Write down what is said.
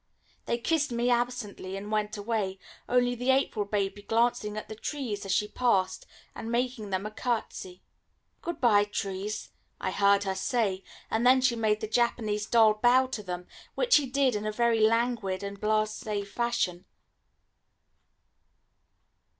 They kissed me absently, and went away, only the April baby glancing at the trees as she passed and making them a curtesy. "Good bye, trees," I heard her say; and then she made the Japanese doll bow to them, which he did, in a very languid and blase fashion.